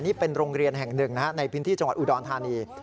นี่เป็นโรงเรียนแห่งหนึ่งในพื้นที่จังหวัดอุดรธานี